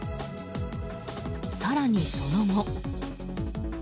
更に、その後。